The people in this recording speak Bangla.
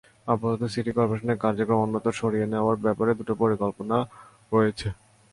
আপাতত সিটি করপোরেশনের কার্যক্রম অন্যত্র সরিয়ে নেওয়ার ব্যাপারে দুটি পরিকল্পনা রয়েছে।